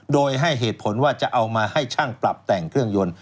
โดยให้เหตุผลว่าจะเอามาให้ช่างปรับแต่งเครื่องยนต์